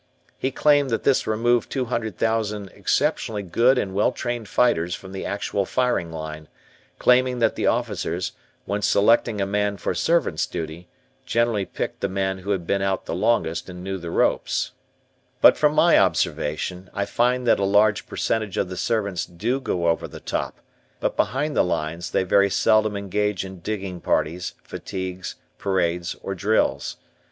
He claimed that this removed two hundred thousand exceptionally good and well trained fighters from the actual firing line, claiming that the officers, when selecting a man for servant's duty, generally picked the man who had been out the longest and knew the ropes. {Photo: Right Arm Smashed by Shell (in Plaster Cast); has been Told it will Have to be Amputated.} But from my observation I find that a large percentage of the servants do go over the top, but behind the lines, they very seldom engage in digging parties, fatigues, parades, or drills.